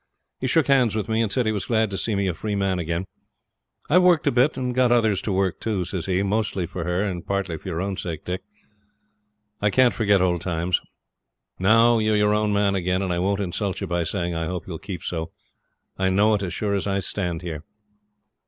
He shook hands with me, and said he was glad to see me a free man again. 'I've worked a bit, and got others to work too,' says he; 'mostly for her, and partly for your own sake, Dick. I can't forget old times. Now you're your own man again, and I won't insult you by saying I hope you'll keep so; I know it, as sure as we stand here.'